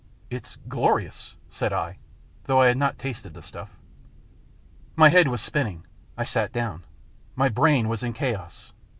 "It's glorious," said I, though I had not tasted the stuff. My head was spinning. I sat down. My brain was chaos.